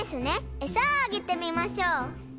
えさをあげてみましょう。